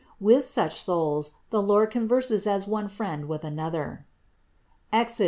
With such souls the Lord converses as one friend with another (Exod.